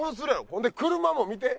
ほんで車も見て。